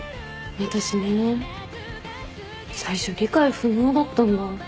私ね最初理解不能だったんだ。